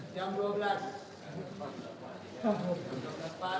jam dua belas bawah oke